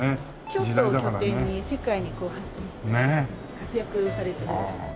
京都を拠点に世界に発信活躍されている。